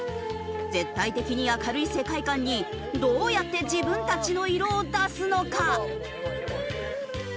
絶対的に明るい世界観にどうやって自分たちの色を出すのか？